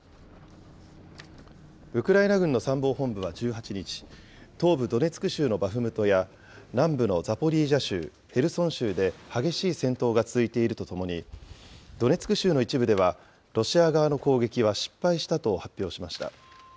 ウクライナ軍の参謀本部は１８日、東部ドネツク州のバフムトや、南部のザポリージャ州、ヘルソン州で激しい戦闘が続いているとともに、ドネツク州の一部では、ロシア側の攻撃は失敗したと発表しました。